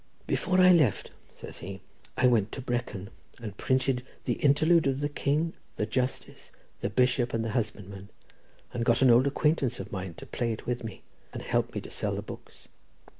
"Before I left," says he, "I went to Brecon, and printed the 'Interlude of the King, the Justice, the Bishop, and the Husbandman,' and got an old acquaintance of mine to play it with me, and help me to sell the books.